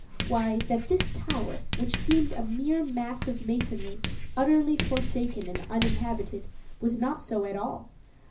Why, that this tower, which seemed a mere mass of masonry, utterly forsaken and uninhabited, was not so at all.